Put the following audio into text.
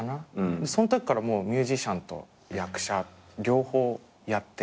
そのときからもうミュージシャンと役者両方やって。